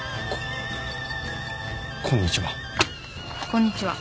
こんにちは。